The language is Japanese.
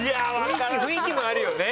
雰囲気もあるよね？